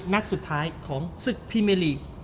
นักสุดท้ายของศึกพรีเมลีก